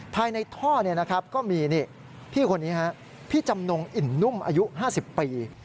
ภายในท่อก็มีพี่คนนี้พี่จำนงอิ่นนุ่มอายุ๕๐ปี